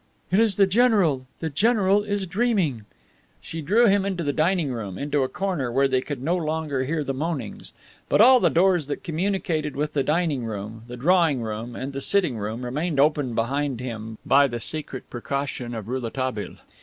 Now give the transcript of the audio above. "It is the general. The general is dreaming!" She drew him into the dining room, into a corner where they could no longer hear the moanings. But all the doors that communicated with the dining room, the drawing room and the sitting room remained open behind him, by the secret precaution of Rouletabille.